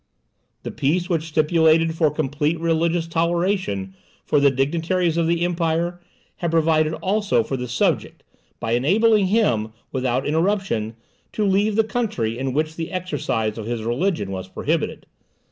The peace which stipulated for complete religious toleration for the dignitaries of the Empire, had provided also for the subject, by enabling him, without interruption, to leave the country in which the exercise of his religion was prohibited.